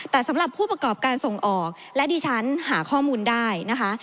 แต่สำหรับผู้ประกอบการส่งออกและดิฉันหาข้อมูลได้นะคะ